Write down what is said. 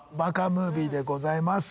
ムービーでございます。